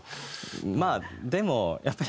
まあでもやっぱり。